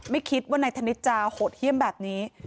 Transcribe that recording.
ไม่คิดว่านายธนิษฐ์จะโหดเยี่ยมแบบนี้